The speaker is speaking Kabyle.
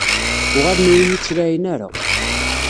Uɣalen ur iyi-ttlaɛin ara.